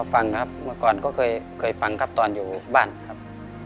ฟังครับเมื่อก่อนก็เคยฟังครับตอนอยู่บ้านครับ